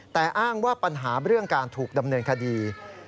แต่อ้างว่าปัญหาเรื่องการถูกดำเนินคดี